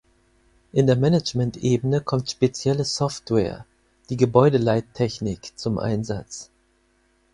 In der Managementebene kommt spezielle Software, die Gebäudeleittechnik zum Einsatz.